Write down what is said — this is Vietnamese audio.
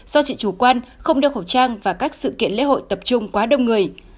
do chị chủ quan không đeo khẩu trang và các sự kiện lễ hội tập trung quá đông người